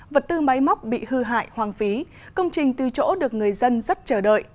vật tư máy móc bị hư hại hoang phí công trình từ chỗ được người dân rất chờ đợi